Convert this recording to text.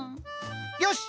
よし！